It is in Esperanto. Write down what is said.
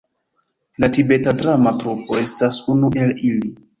La Tibeta Drama Trupo estas unu el ili.